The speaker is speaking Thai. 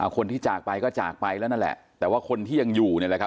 คนที่จากไปก็จากไปแล้วนั่นแหละแต่ว่าคนที่ยังอยู่เนี่ยแหละครับ